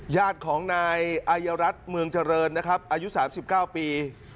ญาติของนายอายรัฐเมืองเจริญนะครับอายุสามสิบเก้าปี